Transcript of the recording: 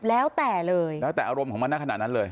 แล้วแต่อารมณ์ของมันบ้างแบบนั้นเลย